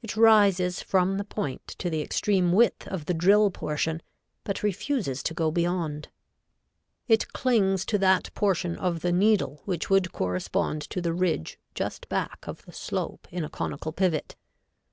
It rises from the point to the extreme width of the drill portion, but refuses to go beyond. It clings to that portion of the needle which would correspond to the ridge just back of the slope in a conical pivot.